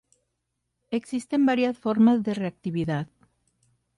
Existen varias formas de reactividad.